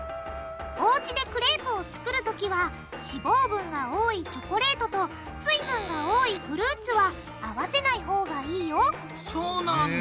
おうちでクレープを作るときは脂肪分が多いチョコレートと水分が多いフルーツはあわせないほうがいいよそうなんだ。